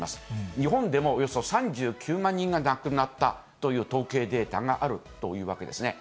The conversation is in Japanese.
日本でもおよそ３９万人が亡くなったという統計データがあるというわけですね。